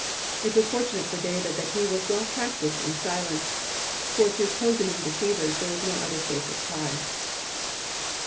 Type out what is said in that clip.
It was fortunate for David that he was well practised in silence, for to cozening deceivers there is no other safe reply.